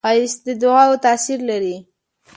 ښایست د دعاوو تاثیر لري